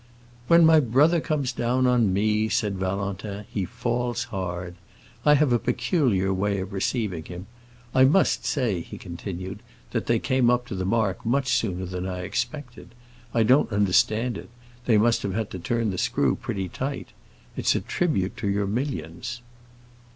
"When my brother comes down on me," said Valentin, "he falls hard. I have a peculiar way of receiving him. I must say," he continued, "that they came up to the mark much sooner than I expected. I don't understand it, they must have had to turn the screw pretty tight. It's a tribute to your millions."